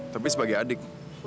tapi sebagai adik